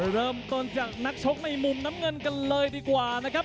เริ่มต้นจากนักชกในมุมน้ำเงินกันเลยดีกว่านะครับ